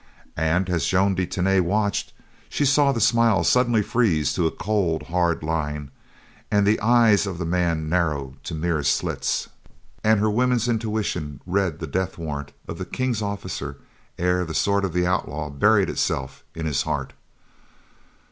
And as Joan de Tany watched, she saw the smile suddenly freeze to a cold, hard line, and the eyes of the man narrow to mere slits, and her woman's intuition read the death warrant of the King's officer ere the sword of the outlaw buried itself in his heart.